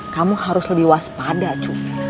kamu harus lebih waspada juga